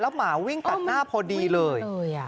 หมาวิ่งตัดหน้าพอดีเลย